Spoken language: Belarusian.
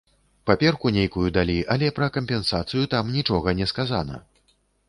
Паперку нейкую далі, але пра кампенсацыю там нічога не сказана.